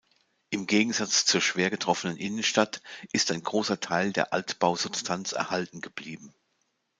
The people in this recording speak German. Im Gegensatz zur schwer getroffenen Innenstadt ist ein großer Teil der Altbausubstanz erhalten geblieben.